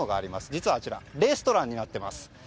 実はレストランになっています。